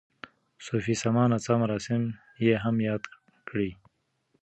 صوفي سما نڅا مراسم یې هم یاد کړي.